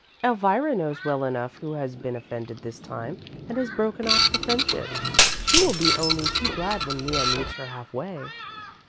"Elvira knows well enough who has been offended this time and has broken off the friendship. She will be only too glad when Mea meets her half way."